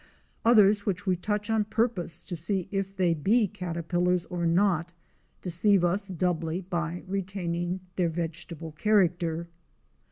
Others which we touch on purpose to see if they be caterpillars or not, deceive us doubly by retaining their vegetable character.